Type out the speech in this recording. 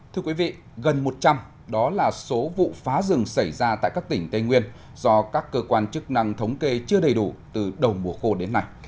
thưa quý vị gần một trăm linh đó là số vụ phá rừng xảy ra tại các tỉnh tây nguyên do các cơ quan chức năng thống kê chưa đầy đủ từ đầu mùa khô đến nay